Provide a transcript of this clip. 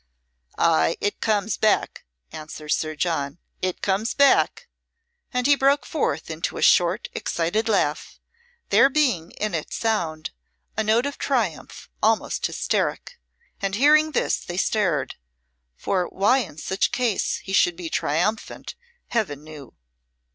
"Ay, it comes back," answers Sir John; "it comes back." And he broke forth into a short, excited laugh, there being in its sound a note of triumph almost hysteric; and hearing this they stared, for why in such case he should be triumphant, Heaven knew.